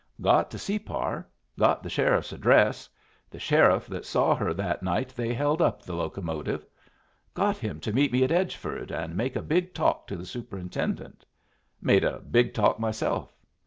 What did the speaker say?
"Got to Separ. Got the sheriff's address the sheriff that saw her that night they held up the locomotive. Got him to meet me at Edgeford and make a big talk to the superintendent. Made a big talk myself.